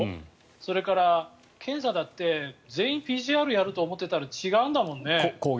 それから、検査だって全員ＰＣＲやると思っていたら違うんだもんね。